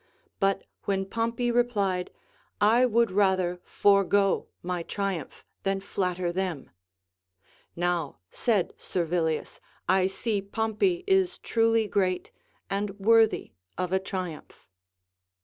But when Pompey replied, I would rather forego my triumph than flatter them, — Now, said Servilius, I see Pompey is truly great and worthy of a triumph.